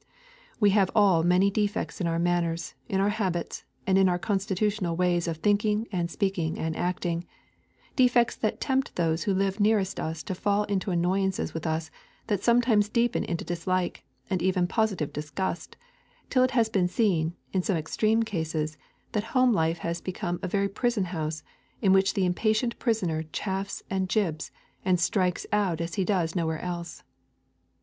We have all many defects in our manners, in our habits, and in our constitutional ways of thinking and speaking and acting, defects that tempt those who live nearest us to fall into annoyances with us that sometimes deepen into dislike, and even positive disgust, till it has been seen, in some extreme cases, that home life has become a very prison house, in which the impatient prisoner chafes and jibs and strikes out as he does nowhere else.